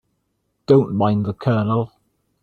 Don't mind the Colonel.